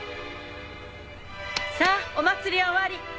さあお祭りは終わり！